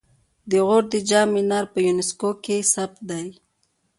د غور د جام منار په یونسکو کې ثبت دی